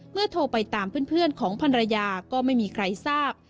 โทรไปตามเพื่อนของภรรยาก็ไม่มีใครทราบ